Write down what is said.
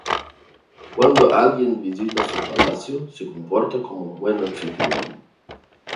Cuando alguien visita su palacio se comporta como un buen anfitrión.